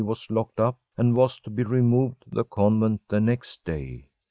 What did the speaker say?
was locked up, and was to be removed to the convent the next day.